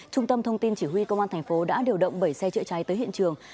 trung tâm thông tin chỉ huy công an thành phố đã điều động bảy xe chữa cháy tới hiện trường